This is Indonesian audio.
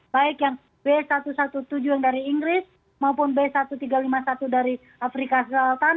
baik yang b satu ratus tujuh belas yang dari inggris maupun b seribu tiga ratus lima puluh satu dari afrika selatan